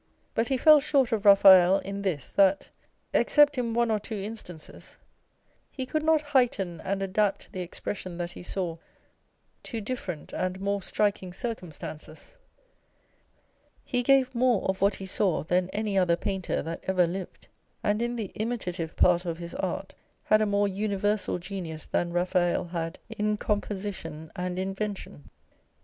But he fell short of Eaphael in this, that (except in one or two in stances) he could not heighten and adapt the expression that he saw to different and more striking circumstances. He gave more of what he saw than any other painter that ever lived, and in the imitative part of his art had a more universal genius than Eaphael had in composition and invention.